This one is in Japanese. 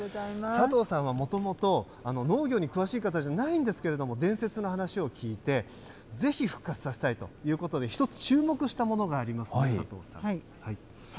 佐藤さんはもともと、農業に詳しい方じゃないんですけど、伝説の話を聞いて、ぜひ復活させたいということで、一つ注目したものがあります、佐藤さん。